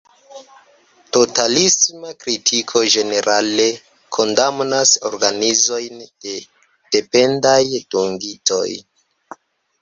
Totalisma kritiko ĝenerale kondamnas organizojn de dependaj dungitoj.